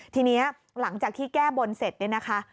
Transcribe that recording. ทีนี้หลังจากที่แก้บนเสร็จเนี่ยนะคะ